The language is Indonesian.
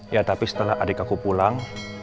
ya tapi setelah adik aku pulang